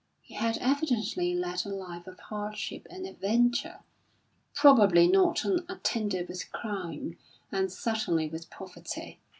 He had evidently led a life of hardship and adventure probably not unattended with crime, and certainly with poverty.